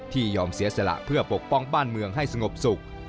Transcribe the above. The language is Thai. ยอมเสียสละเพื่อปกป้องบ้านเมืองให้สงบสุข